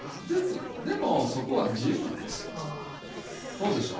そうでしょ？